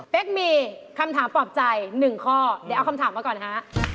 มีคำถามปลอบใจ๑ข้อเดี๋ยวเอาคำถามมาก่อนฮะ